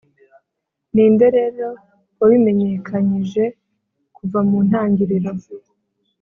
Ni nde rero wabimenyekanyije kuva mu ntangiriro,